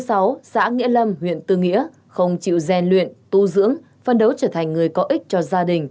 xã nghĩa lâm huyện tư nghĩa không chịu rèn luyện tu dưỡng phân đấu trở thành người có ích cho gia đình